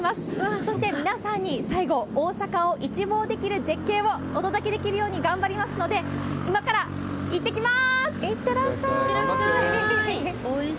そして、皆さんに最後、大阪を一望できる絶景をお届けできるように頑張りますので、今からいってきます！